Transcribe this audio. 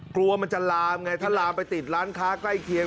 กลัวมันจะลามไงถ้าลามไปติดร้านค้าใกล้เคียง